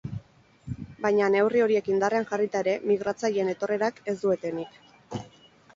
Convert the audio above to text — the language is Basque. Baina, neurri horiek indarrean jarrita ere, migratzaileen etorrerak ez du etenik.